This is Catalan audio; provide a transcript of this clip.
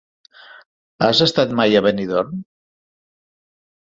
Has estat mai a Benidorm?